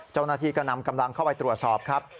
เจ้าหน้าที่ก็นำกำลังเข้าไปตรวจสอบครับ